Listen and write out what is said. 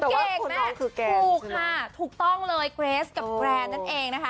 เก่งแม่ถูกค่ะถูกต้องเลยเกรสกับแกรนด์นั่นเองนะคะ